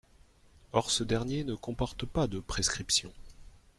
Or ce dernier ne comporte pas de prescriptions.